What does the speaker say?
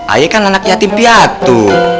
ayah kan anak yatim piatu